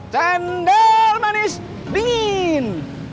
jendol manis dingin